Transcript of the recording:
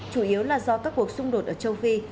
chủ yếu là do các cuộc xung đột ở châu phi